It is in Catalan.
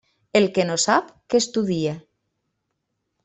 El que no sap, que estudie.